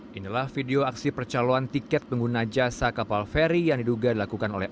hai inilah video aksi percaloan tiket pengguna jasa kapal feri yang diduga dilakukan oleh